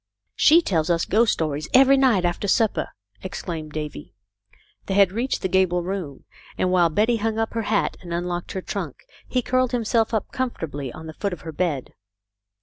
" She tells us ghost stories every night after sup per," exclaimed Davy. They had reached the gable room, and, while Betty hung up her hat and unlocked her trunk, he curled himself up comfortably on the foot of her bed.